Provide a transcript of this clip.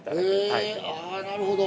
◆あ、なるほど。